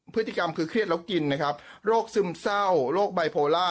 พฤติกรรมคือเครียดแล้วกินนะครับโรคซึมเศร้าโรคไบโพล่า